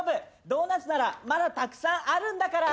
ドーナツならまだたくさんあるんだから。